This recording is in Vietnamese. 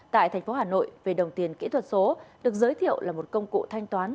tại tp hà nội về đồng tiền kỹ thuật số được giới thiệu là một công cụ thanh toán